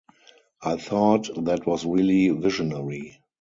I thought that was really visionary.